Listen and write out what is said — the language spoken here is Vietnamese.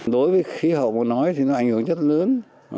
đối với khí hậu vừa nói thì nó ảnh hưởng rất lớn